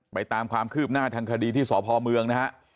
ตามความคืบหน้าทางคดีที่สพเมืองนะฮะ